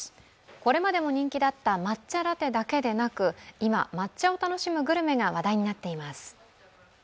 これまでも人気だった抹茶ラテだけでなく今、抹茶を楽しむグルメが話題になっています。